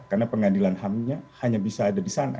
karena pengadilan hamnya hanya bisa ada di sana